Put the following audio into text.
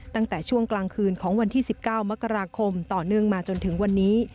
ตั้งแต่ช่วงกลางคืนของวันที่๑๙มกราคมต่อเนื่องมาจนถึงวันนี้